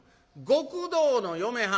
「極道の嫁はん。